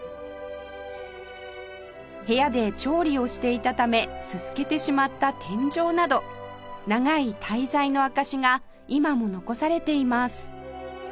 部屋で調理をしていたためすすけてしまった天井など長い滞在の証しが今も残されています